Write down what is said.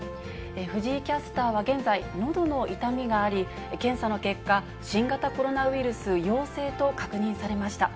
藤井キャスターは現在、のどの痛みがあり、検査の結果、新型コロナウイルス陽性と確認されました。